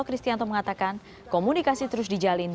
kristianto mengatakan komunikasi terus dijalin